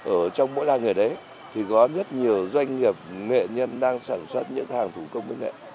ở trong mỗi làng nghề đấy thì có rất nhiều doanh nghiệp nghệ nhân đang sản xuất những hàng thủ công với nghệ